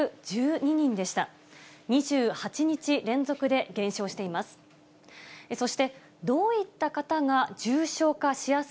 ２８日連続で減少しています。